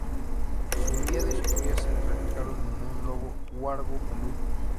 Su miedo y su furia se reflejaron en su lobo huargo, Peludo.